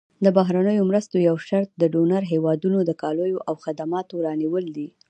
د بهرنیو مرستو یو شرط د ډونر هېوادونو د کالیو او خدماتو رانیول دي.